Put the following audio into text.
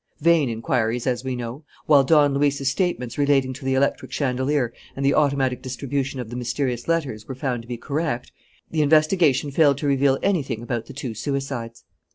Vain inquiries, as we know. While Don Luis's statements relating to the electric chandelier and the automatic distribution of the mysterious letters were found to be correct, the investigation failed to reveal anything about the two suicides.